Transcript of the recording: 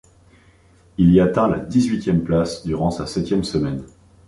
Il y atteint la dix-huitième place durant sa septième semaine.